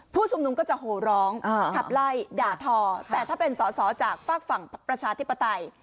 ผู้ชุมนุมก็จะโหร้องขับไล่ด่าทอแต่ถ้าเป็นสอสอจากฝากฝั่งประชาธิปไตย